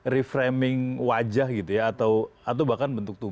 reframing wajah gitu ya